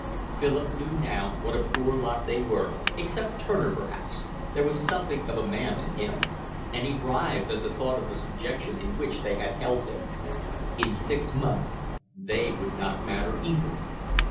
Philip knew now what a poor lot they were, except Turner perhaps, there was something of a man in him; and he writhed at the thought of the subjection in which they had held him. In six months they would not matter either.